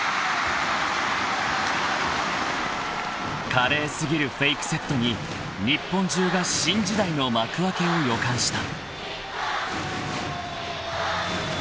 ［華麗過ぎるフェイクセットに日本中が新時代の幕開けを予感した］